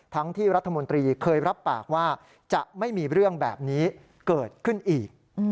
ทั้งที่รัฐมนตรีเคยรับปากว่าจะไม่มีเรื่องแบบนี้เกิดขึ้นอีก